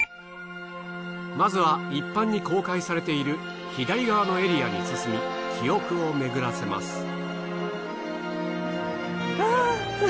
まずは一般に公開されている左側のエリアに進み記憶をめぐらせます。